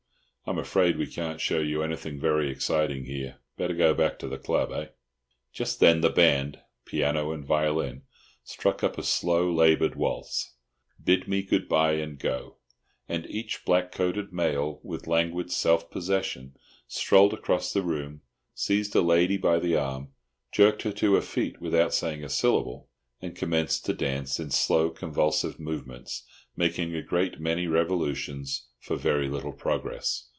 "I'm afraid we can't show you anything very exciting here. Better go back to the club, eh?" Just then the band (piano and violin) struck up a slow, laboured waltz, "Bid me Good bye and go," and each black coated male, with languid self possession, strolled across the room, seized a lady by the arm, jerked her to her feet without saying a syllable, and commenced to dance in slow, convulsive movements, making a great many revolutions for very little progress.